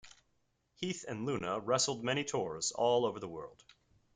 Heath and Luna wrestled many tours all over the world.